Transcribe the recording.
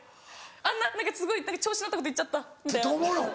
あんなすごい調子乗ったこと言っちゃったみたいな。と思うの？